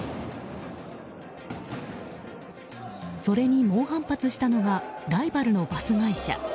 それに猛反発したのはライバルのバス会社。